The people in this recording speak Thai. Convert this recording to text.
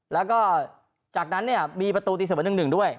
แล้วก็จากนั้นมีประตูตีเสียบอันหนึ่งด้วย